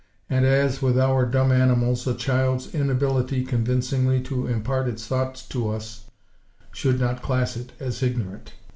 And as, with our dumb animals, a child's inability convincingly to impart its thoughts to us, should not class it as ignorant.